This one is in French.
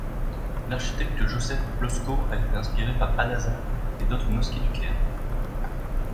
L'architecte Józef Plośko a été inspiré par Al-Azhar et d'autres mosquées du Caire.